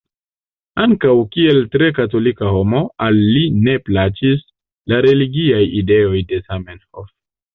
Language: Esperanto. Ankaŭ kiel tre katolika homo, al li ne plaĉis la religiaj ideoj de Zamenhof.